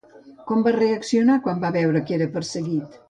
Com va reaccionar quan va veure que era perseguit?